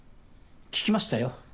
聞きましたよ